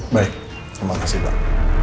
baik terima kasih pak